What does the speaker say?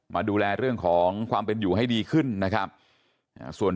มาดูแลเรื่องของความเป็นอยู่ให้ดีขึ้นนะครับส่วน